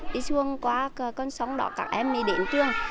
đi xuông qua con sông đó các em đi đến trường